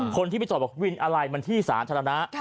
คนที่ไปจอดบอกวินอะไรมันที่สาธารณะ